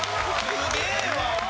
すげえわ！